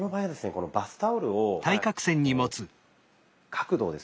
このバスタオルを角度をですね